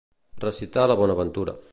Recitar la bonaventura.